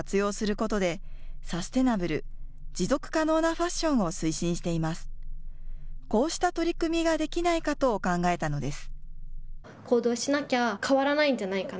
こうした取り組みができないかと考えたのです。